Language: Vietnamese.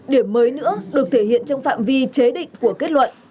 điểm mới nữa được thể hiện trong phạm vi chế định của kết luận